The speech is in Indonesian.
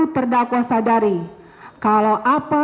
terdakwa sadari kalau apa